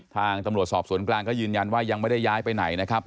ทางตำรวจสอบสวนกลางก็ยืนยันว่ายังไม่ได้ย้ายไปไหนนะครับ